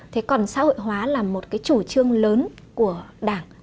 thế còn xã hội hóa là một cái chủ trương lớn của đảng